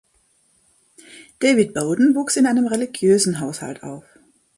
David Bowden wuchs in einem religiösen Haushalt auf.